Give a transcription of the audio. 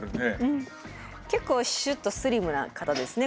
結構シュッとスリムな方ですね